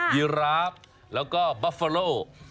ยิราบแล้วก็เบอร์ฟาโล่